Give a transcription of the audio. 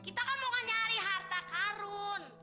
kita kan mau ngancari harta karun